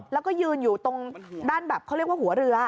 แล้วก็ยืนอยู่ตรงด้านแบบเขาเรียกว่าหัวเรือ